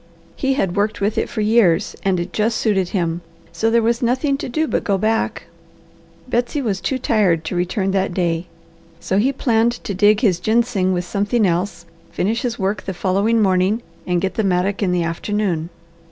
He had worked with it for years and it just suited him, so there was nothing to do but go back. Betsy was too tired to return that day, so he planned to dig his ginseng with something else, finish his work the following morning, and get the mattock in the afternoon.